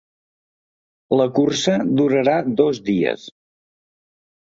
La cursa durarà dos dies.